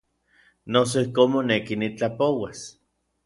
Noso ijkon moneki nitlapouas.